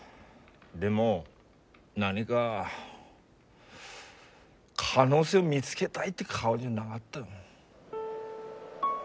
でも何が可能性を見つけたいって顔じゃなかった。